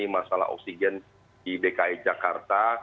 masalah oksigen di dki jakarta